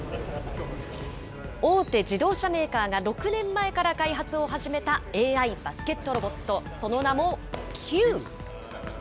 大手自動車メーカーが６年前から開発を始めた、ＡＩバスケットロボット、その名もＣＵＥ。